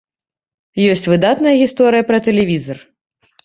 Ёсць выдатная гісторыя пра тэлевізар.